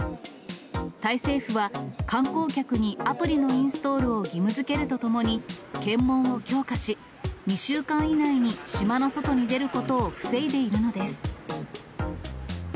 タイ政府は、観光客にアプリのインストールを義務づけるとともに、検問を強化し、２週間以内に島の外に出ることを防いでいるのです。